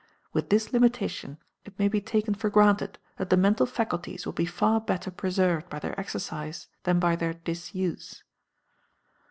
With this limitation, it may be taken for granted that the mental faculties will be far better preserved by their exercise than by their disuse.